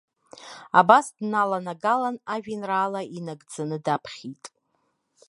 Абас дналагалан ажәеинраала инагӡаны даԥхьеит.